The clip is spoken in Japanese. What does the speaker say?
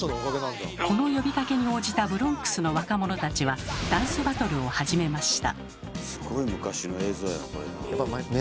この呼びかけに応じたブロンクスの若者たちはダンスバトルを始めました。